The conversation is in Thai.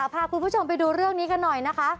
พาคุณผู้ชมไปดูเรื่องนี้กันหน่อยนะคะ